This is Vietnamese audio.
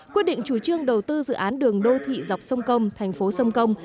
quyết định chủ trương đầu tư dự án đường đô thị dọc sông công thành phố sông công